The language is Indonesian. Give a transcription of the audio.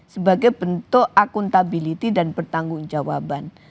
sebagai bentuk akuntabilitas dan pertanggung jawaban